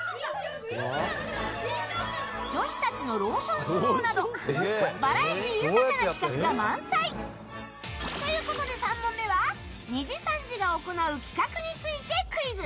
女子たちのローション相撲などバラエティー豊かな企画が満載。ということで、３問目はにじさんじが行う企画についてクイズ。